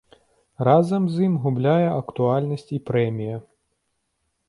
Разам з ім губляе актуальнасць і прэмія.